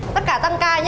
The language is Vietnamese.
tất cả tăng ca nhé